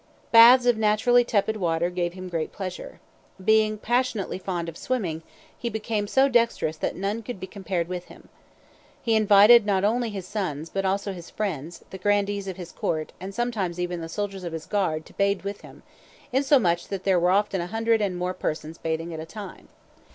Baths of naturally tepid water gave him great pleasure. Being passionately fond of swimming, he became so dexterous that none could be compared with him. He invited not only his sons, but also his friends, the grandees of his court, and sometimes even the soldiers of his guard, to bathe with him, insomuch that there were often a hundred and more persons bathing at a time.